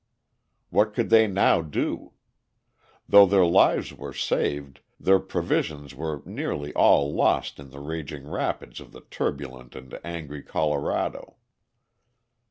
What could they now do? Though their lives were saved, their provisions were nearly all lost in the raging rapids of the turbulent and angry Colorado.